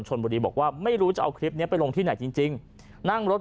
บุรีบอกว่าไม่รู้จะเอาคลิปนี้ไปลงที่ไหนจริงนั่งรถ